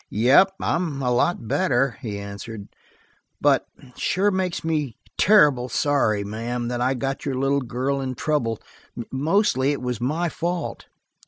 "Yep, I'm a lot better," he answered, "but it sure makes me terrible sorry, ma'am, that I got your little girl in trouble. Mostly, it was my fault."